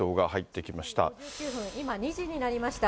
今、２時になりました。